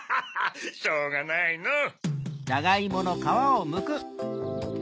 しょうがないのぅ。